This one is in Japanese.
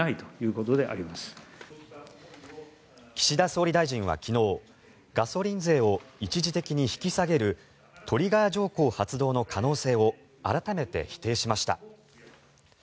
岸田総理大臣は昨日ガソリン税を一時的に引き下げるトリガー条項発動の可能性を改めて否定しました。